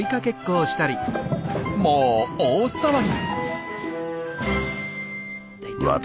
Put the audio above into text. もう大騒ぎ！